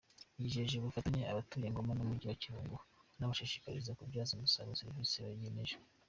Yijeje ubufatanye abatuye Ngoma n’Umujyi wa Kibungo anabashishikariza kubyaza umusaruro serivisi begerejwe.